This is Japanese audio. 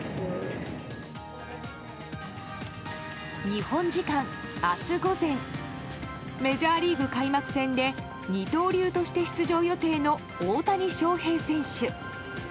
日本時間、明日午前メジャーリーグ開幕戦で二刀流として出場予定の大谷翔平選手。